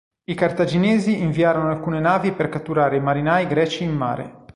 I cartaginesi inviarono alcune navi per catturare i marinai greci in mare.